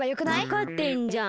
わかってんじゃん。